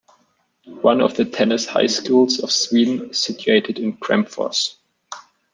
One of the tennis high schools of Sweden is situated in Kramfors.